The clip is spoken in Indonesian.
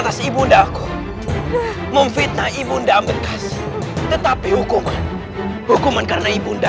sampai jumpa di video selanjutnya